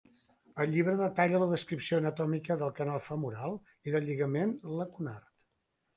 Al llibre detalla la descripció anatòmica del canal femoral i del lligament lacunar.